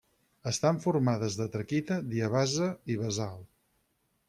Estan formades de traquita, diabasa i basalt.